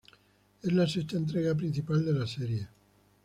Es la sexta entrega principal de la serie.